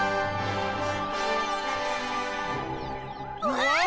わあ！